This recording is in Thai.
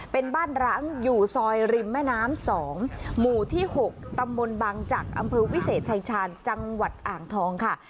เป็นบ้านร้างอยู่ซอยริมแม่น้ำ๒หมู่ที่๖ตำบลบางจักรอำเภอวิเศษชายชาญจังหวัดอ่างทองค่ะ